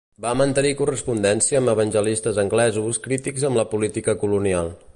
Va mantenir correspondència amb evangelistes anglesos crítics amb la política colonial.